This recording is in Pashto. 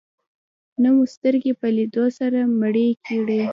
نه مو سترګې په لیدو سره مړې کړې.